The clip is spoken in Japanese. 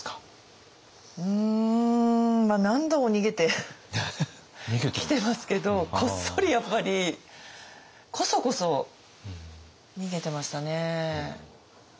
うんまあ何度も逃げてきてますけどこっそりやっぱりこそこそ逃げてましたね。